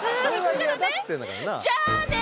じゃあね！